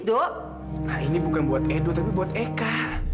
dok nah ini bukan buat edo tapi buat eka